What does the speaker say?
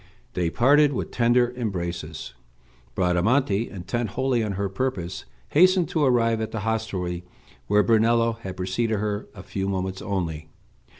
They parted with tender embraces. Bradamante, intent wholly on her purpose, hastened to arrive at the hostelry, where Brunello had preceded her a few moments only.